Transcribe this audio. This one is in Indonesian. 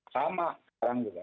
sama sekarang juga